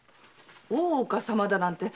大岡様だなんて南町の？